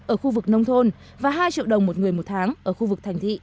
ở khu vực nông thôn và hai triệu đồng một người một tháng ở khu vực thành thị